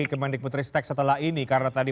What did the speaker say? kementerian keputristek setelah ini karena tadi